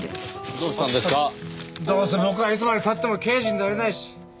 どうせ僕はいつまで経っても刑事になれないし。